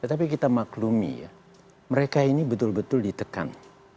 tetapi kita maklumi ya mereka ini betul betul ditekan